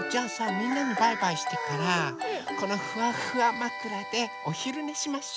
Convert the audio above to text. みんなにバイバイしてからこのフワフワまくらでおひるねしましょ。